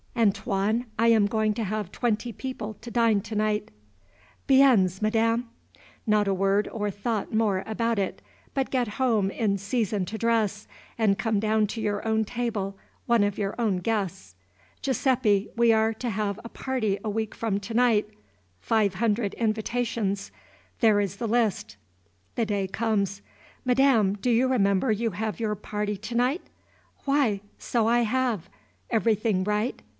"Antoine, I am going to have twenty people to dine to day." "Biens, Madame." Not a word or thought more about it, but get home in season to dress, and come down to your own table, one of your own guests. "Giuseppe, we are to have a party a week from to night, five hundred invitations there is the list." The day comes. "Madam, do you remember you have your party tonight?" "Why, so I have! Everything right?